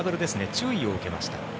注意を受けました。